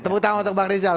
tepuk tangan untuk bang rizal